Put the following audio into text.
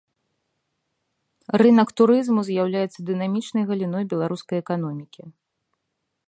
Рынак турызму з'яўляецца дынамічнай галіной беларускай эканомікі.